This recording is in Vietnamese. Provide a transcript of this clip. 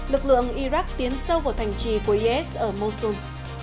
lực lượng iraq tiến sâu vào thành trì của is ở mosung